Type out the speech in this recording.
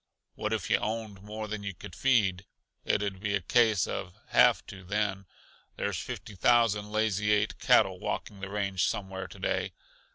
"What if yuh owned more than yuh could feed? It'd be a case uh have to then. There's fifty thousand Lazy Eight cattle walking the range somewhere today.